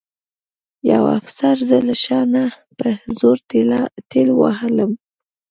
یوه افسر زه له شا نه په زور ټېل وهلم